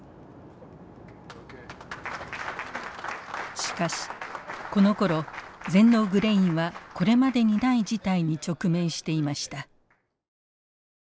しかしこのころ全農グレインはこれまでにない事態に直面していました。